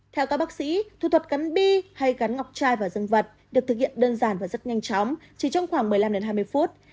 theo các bác sĩ thu thuật cắn bi hay cắn ngọc chai vào dương vật được thực hiện đơn giản và rất nhanh chóng chỉ trong khoảng một mươi năm hai mươi phút